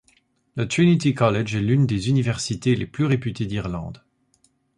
Le Trinity College est l'une des université les plus réputées d'Irlande.